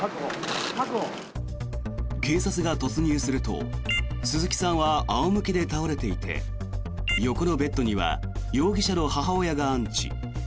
警察が突入すると鈴木さんは仰向けで倒れていて横のベッドには容疑者の母親が安置。